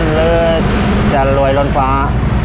หรือจะรวยล้นฟ้า